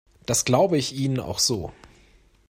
Das glaube ich Ihnen auch so.